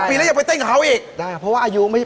ประมาณสิบกว่าปี